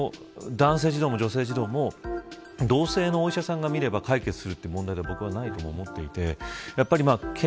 ただ男性児童も女性児童も同性のお医者さんがみれば解決するという問題でも僕はないと思っています。